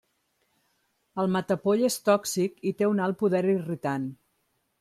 El matapoll és tòxic i té un alt poder irritant.